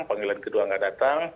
panggilan kedua nggak datang